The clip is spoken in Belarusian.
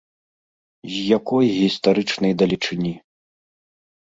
З якой гістарычнай далечыні?